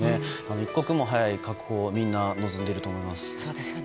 一刻も早い確保をみんな望んでいると思います。